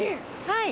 はい。